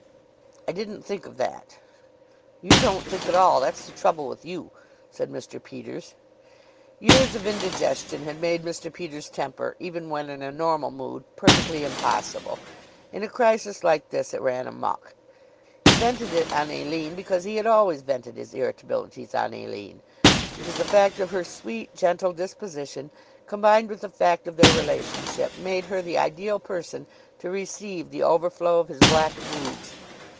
"I didn't think of that." "You don't think at all. That's the trouble with you," said Mr. Peters. Years of indigestion had made Mr. Peters' temper, even when in a normal mood, perfectly impossible; in a crisis like this it ran amuck. He vented it on Aline because he had always vented his irritabilities on Aline; because the fact of her sweet, gentle disposition, combined with the fact of their relationship, made her the ideal person to receive the overflow of his black moods.